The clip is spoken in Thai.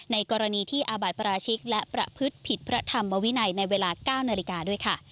ในกรณีที่อาบัติปราชิกและประพฤติผิดพระธรรมวินัยในเวลา๙นาฬิกาด้วยค่ะ